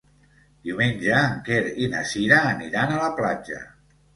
Diumenge en Quer i na Cira aniran a la platja.